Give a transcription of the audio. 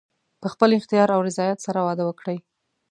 په خپل اختیار او رضایت سره واده وکړي.